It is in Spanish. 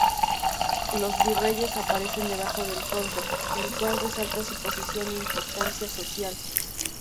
Los virreyes aparecen debajo del toldo, el cual resalta su posición e importancia social.